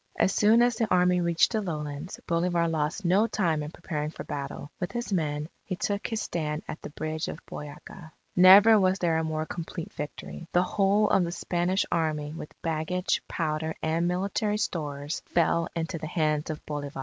As soon as the Army reached the lowlands, Bolivar lost no time in preparing for battle. With his men, he took his stand at the Bridge of Boyaca. Never was there a more complete victory. The whole of the Spanish Army with baggage, powder, and military stores, fell into the hands of Bolivar.